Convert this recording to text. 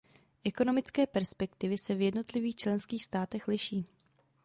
Ekonomické perspektivy se v jednotlivých členských státech liší.